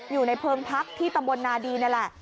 อยู่ในเพิงพักที่ตำบลนาดีนั่นแหละ